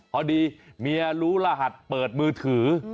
พอดีเมียรู้รหัสเปิดมือถือ